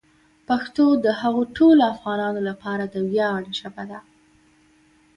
پښتو د هغو ټولو افغانانو لپاره د ویاړ ژبه ده.